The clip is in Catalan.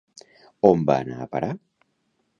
On va anar a parar?